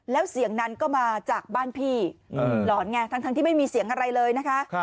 แล้วเสียงนั้นก็มาจากบ้านพี่หลอนไงทั้งที่ไม่มีเสียงอะไรเลยนะคะ